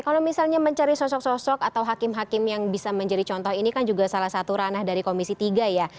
kalau misalnya mencari sosok sosok atau hakim hakim yang bisa menjadi contoh ini kan juga salah satu ranah dari komisi tiga ya